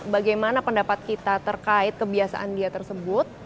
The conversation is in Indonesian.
bagaimana pendapat kita terkait kebiasaan dia tersebut